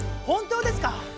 本当ですか